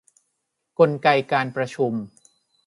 กลไกการประชุม